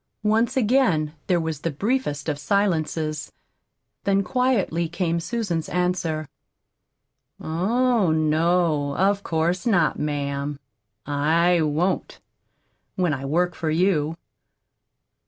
Once again there was the briefest of silences, then quietly came Susan's answer: "Oh, no, of course not, ma'am. I won't when I work for you.